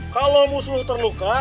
kalau musuh terluka